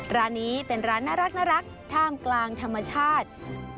ร้านนี้เป็นร้านน่ารักท่ามกลางธรรมชาติ